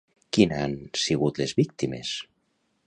Qui n'han sigut les víctimes?